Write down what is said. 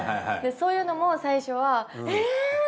そういうのも最初はえぇって。